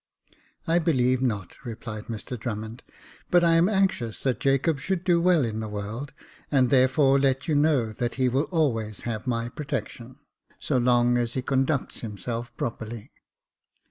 I believe not," replied Mr Drummond ;" but I am anxious that Jacob should do well in the world, and there fore let you know that he will always have my protection, so long as he conducts himself properly."